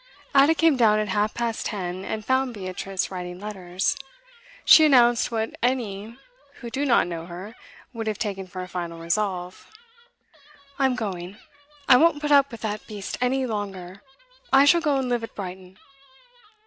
Ada came down at half past ten, and found Beatrice writing letters. She announced what any who did not know her would have taken for a final resolve. 'I'm going I won't put up with that beast any longer. I shall go and live at Brighton.